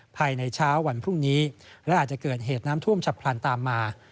ภายในเช้าวันพรุ่งนี้และอาจจะเกิดเหตุน้ำท่วมฉับพลันตามมา